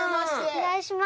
お願いします。